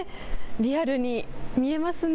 リアルに見えますね。